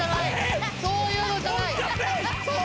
そういうのじゃない！